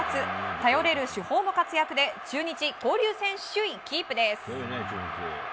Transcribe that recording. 頼れる主砲の活躍で中日、交流戦首位キープです。